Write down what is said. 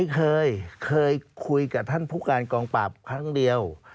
เคยเคยคุยกับท่านผู้การกองปราบครั้งเดียว